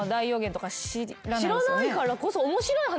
知らないからこそ。